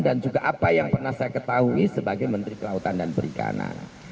dan juga apa yang pernah saya ketahui sebagai menteri kelautan dan perikanan